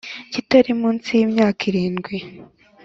Kitari munsi y imyaka irindwi